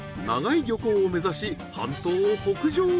長井漁港を目指し半島を北上。